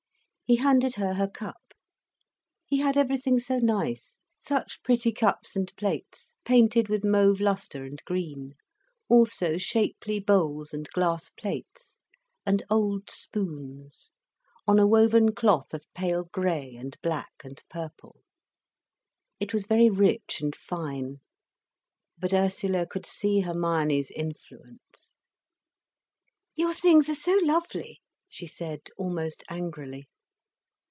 He handed her her cup. He had everything so nice, such pretty cups and plates, painted with mauve lustre and green, also shapely bowls and glass plates, and old spoons, on a woven cloth of pale grey and black and purple. It was very rich and fine. But Ursula could see Hermione's influence. "Your things are so lovely!" she said, almost angrily.